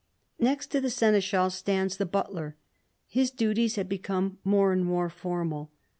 Next to the seneschal stands the butler. His duties had become more and more formal.